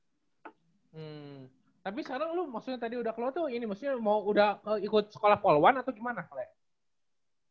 hmm tapi sekarang lu maksudnya tadi udah keluar tuh ini maksudnya mau udah ikut sekolah poluan atau gimana